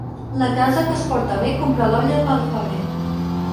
La casa que es porta bé compra l'olla pel febrer.